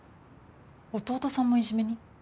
弟さんもいじめに。